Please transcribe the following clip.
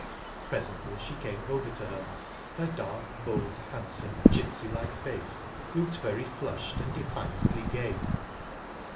Presently she came over to her, her dark, bold, handsome, gypsy like face looked very flushed and defiantly gay.